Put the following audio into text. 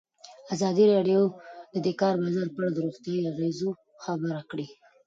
ازادي راډیو د د کار بازار په اړه د روغتیایي اغېزو خبره کړې.